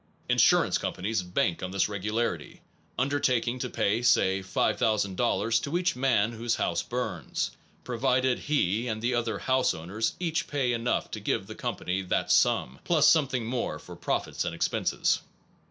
Insurance companies bank on this regularity, undertaking to pay (say) 5000 dollars to each man whose house burns, pro vided he and the other house owners each pay enough to give the company that sum, plus some thing more for profits and expenses.